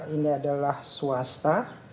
ini adalah swasta